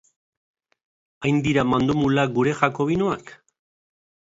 Hain dira mandomulak gure jakobinoak?